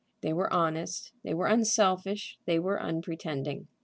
They were honest; they were unselfish; they were unpretending.